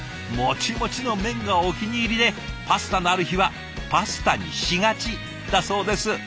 もちもちの麺がお気に入りでパスタのある日はパスタにしがちだそうです。